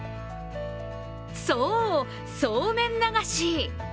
そう、そうめん流し。